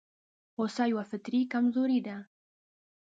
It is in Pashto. غوسه يوه فطري کمزوري ده.